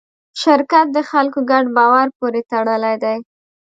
شرکت د خلکو ګډ باور پورې تړلی دی.